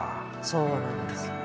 そうなんですよね。